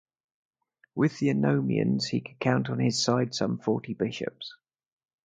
With the Anomoeans, he could count on his side some forty bishops.